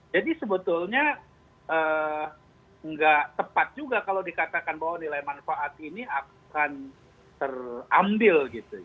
jadi sebetulnya enggak tepat juga kalau dikatakan bahwa nilai manfaat ini akan terambil